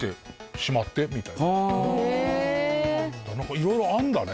いろいろあるんだね